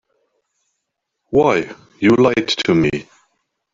Why, you lied to me.